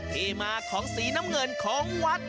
ที่มาของสีน้ำเงินของวัด